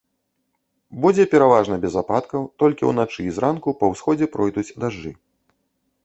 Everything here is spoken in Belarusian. Будзе пераважна без ападкаў, толькі ўначы і зранку па ўсходзе пройдуць дажджы.